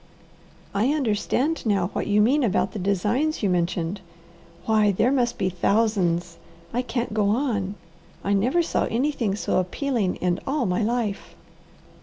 I understand now what you mean about the designs you mentioned. Why, there must be thousands! I can't go on. I never saw anything so appealing in all my life."